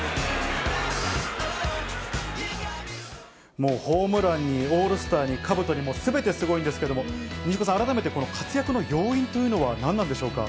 もう、ホームランに、オールスターに、かぶとに、すべてすごいんですけれども、西岡さん、改めてこの活躍の要因というのは何なんでしょうか。